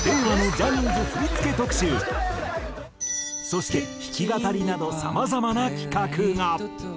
そして弾き語りなどさまざまな企画が。